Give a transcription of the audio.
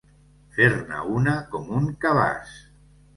Fer-ne una com un cabàs.